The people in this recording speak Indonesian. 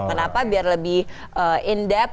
kenapa biar lebih in depth